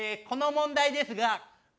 この問題ですが。